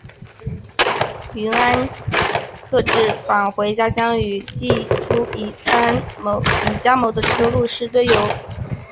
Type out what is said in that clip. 云安贺治返回家乡与季初已加盟的车路士队友卡拉斯和戴维拉再遇。